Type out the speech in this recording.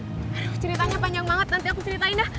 aduh ceritanya panjang banget nanti aku ceritain ya